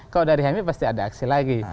kalau dari kami pasti ada aksi lagi